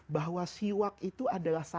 bahwa siwak itu adalah